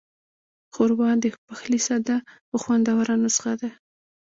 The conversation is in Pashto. ښوروا د پخلي ساده خو خوندوره نسخه ده.